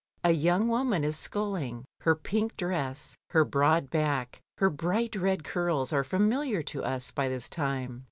A young wo man is sculling, her pink dress, her broad back, her bright red curls are familiar to us by this time.